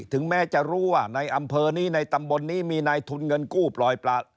ถึงแม้จะรู้ว่าในอำเภอนี้ในตำบลนี้มีนายทุนเงินกู้ปล่อยปลา